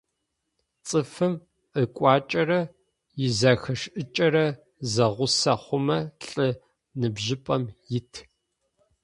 Цӏыфым ыкӏуачӏэрэ изэхэшӏыкӏрэ зэгъусэ хъумэ лӏы ныбжьыпӏэм ит.